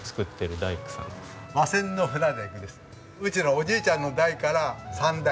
うちのおじいちゃんの代から三代。